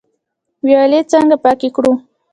ویالې څنګه پاکې کړو؟